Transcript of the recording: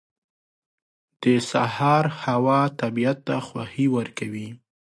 • د سهار هوا طبیعت ته خوښي ورکوي.